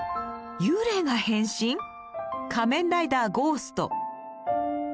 幽霊が変身⁉「仮面ライダーゴースト」。